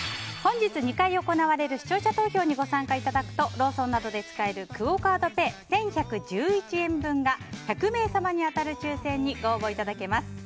本日２回行われる視聴者投票にご参加いただくとローソンなどで使えるクオ・カードペイ１１１１円分が１００名様に当たる抽選にご応募いただけます。